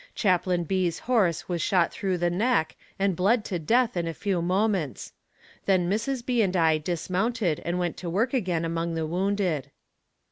Chaplain B.'s horse was shot through the neck and bled to death in a few moments. Then Mrs. B. and I dismounted and went to work again among the wounded.